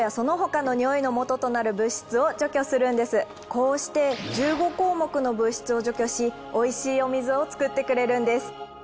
こうして１５項目の物質を除去しおいしいお水を作ってくれるんです。